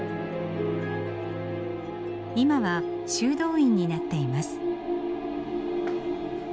今は修道院になっています。